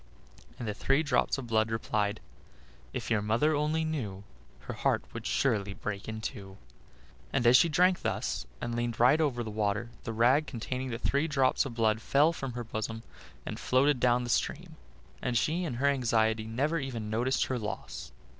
and the three drops of blood replied: "If your mother only knew, Her heart would surely break in two." And as she drank thus, and leaned right over the water, the rag containing the three drops of blood fell from her bosom and floated down the stream, and she in her anxiety never even noticed her loss.